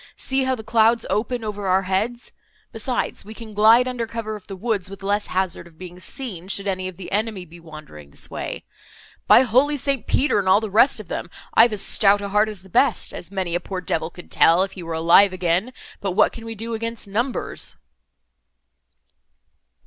See how the clouds open over our heads. Besides, we can glide under cover of the woods with less hazard of being seen, should any of the enemy be wandering this way. By holy St. Peter and all the rest of them, I've as stout a heart as the best, as many a poor devil could tell, if he were alive again—but what can we do against numbers?"